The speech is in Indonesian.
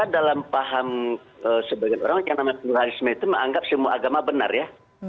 dalam paham sebagian orang yang namanya pluralisme itu menganggap semua agama benar ya